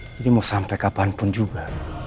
jadi mau sampe kapanpun juga